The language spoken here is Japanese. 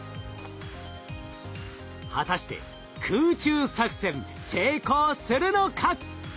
果たして空中作戦成功するのか？